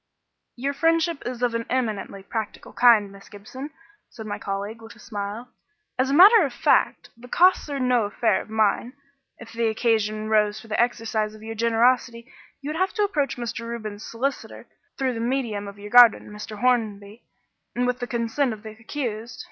"Your friendship is of an eminently practical kind, Miss Gibson," said my colleague, with a smile. "As a matter of fact, the costs are no affair of mine. If the occasion arose for the exercise of your generosity you would have to approach Mr. Reuben's solicitor through the medium of your guardian, Mr. Hornby, and with the consent of the accused.